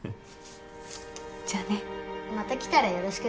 じゃあね。また来たらよろしくね。